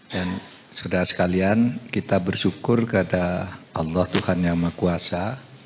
dan sudah sekalian kita bersyukur kepada allah tuhan yang mengkuasa